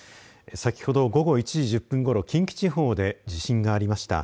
先ほど午後１時１０分ごろ、近畿地方で地震がありました。